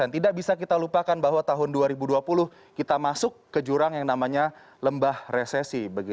tidak bisa kita lupakan bahwa tahun dua ribu dua puluh kita masuk ke jurang yang namanya lembah resesi